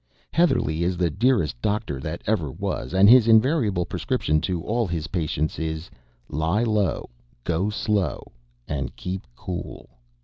Heatherlegh is the dearest doctor that ever was, and his invariable prescription to all his patients is, "lie low, go slow, and keep cool."